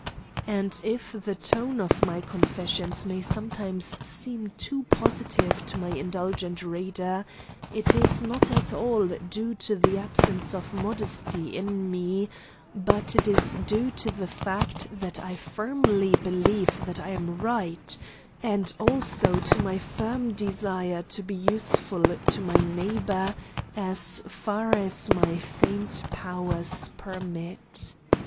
And if the tone of my confessions may sometimes seem too positive to my indulgent reader, it is not at all due to the absence of modesty in me, but it is due to the fact that I firmly believe that I am right, and also to my firm desire to be useful to my neighbour as far as my faint powers permit.